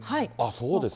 そうですか。